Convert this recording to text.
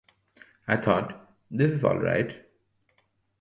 I thought, 'This is all right'.